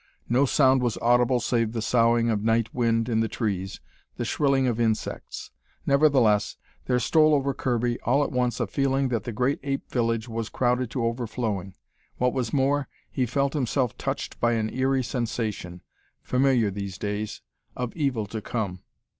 No sound was audible save the soughing of night wind in the trees, the shrilling of insects. Nevertheless, there stole over Kirby all at once a feeling that the great ape village was crowded to overflowing. What was more, he felt himself touched by an eery sensation familiar these days of evil to come.